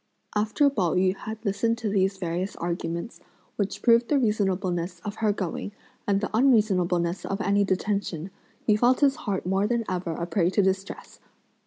After Pao yü had listened to these various arguments, which proved the reasonableness of her going and the unreasonableness of any detention, he felt his heart more than ever a prey to distress.